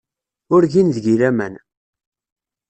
Ur gin deg-i laman.